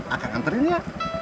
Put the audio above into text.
akan nganterin ya